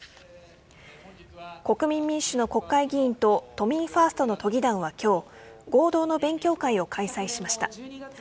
国民民主の国会議員と都民ファーストの都議団は今日合同の勉強会を開催しました。